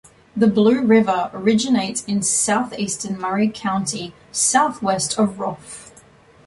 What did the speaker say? The Blue River originates in southeastern Murray County, southwest of Roff.